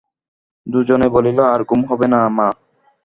দুইজনেই বলিল, আর ঘুম হবে না মা।